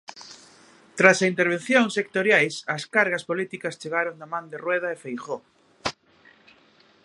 Tras as intervención sectoriais as cargas políticas chegaron da man de Rueda e Feijóo.